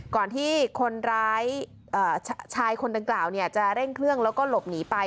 ก่อนที่คนร้ายชายคนดังกล่าวจะเร่งเครื่องแล้วก็หลบหนีไป